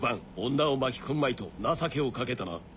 女を巻き込むまいと情けをかけたな。